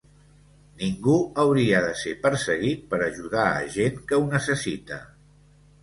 Ningú hauria de ser perseguit per ajudar a gent que ho necessita.